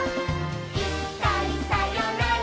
「いっかいさよなら